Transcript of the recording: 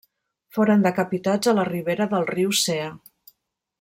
Foren decapitats a la ribera del riu Cea.